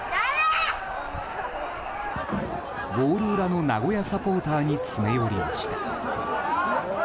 ゴール裏の名古屋サポーターに詰め寄りました。